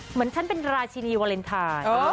เหมือนฉันเป็นราชินีวาเลนไทย